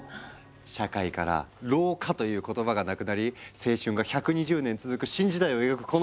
社会から老化という言葉がなくなり青春が１２０年続く新時代を描くこの漫画！